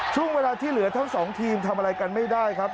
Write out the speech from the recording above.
ช่วงเวลาที่เหลือทั้งสองทีมทำอะไรกันไม่ได้ครับ